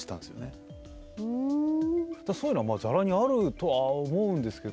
だからそういうのはざらにあるとは思うんですけど。